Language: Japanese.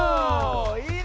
いいね！